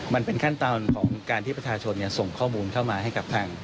มันเป็นขั้นตอนของการที่ประชาชนส่งข้อมูลเข้ามาให้กับทาง